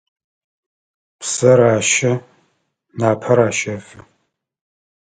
Псэр ащэ, напэр ащэфы.